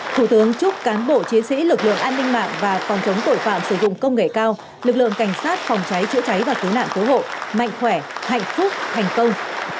thủ tướng chúc cán bộ chiến sĩ lực lượng an ninh mạng và phòng chống tội phạm sử dụng công nghệ cao lực lượng cảnh sát phòng cháy chữa cháy và cứu nạn cứu hộ mạnh khỏe hạnh phúc thành công